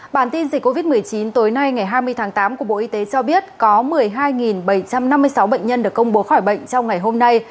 bản tin dịch covid một mươi chín tối nay ngày hai mươi tháng tám của bộ y tế cho biết có một mươi hai bảy trăm năm mươi sáu bệnh nhân được công bố khỏi bệnh trong ngày hôm nay